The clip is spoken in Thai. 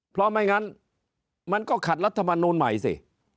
เพราะไม่งั้นมันก็ขัดรัฐมนูลใหม่สิ